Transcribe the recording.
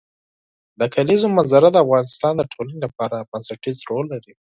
د کلیزو منظره د افغانستان د ټولنې لپاره بنسټيز رول لري.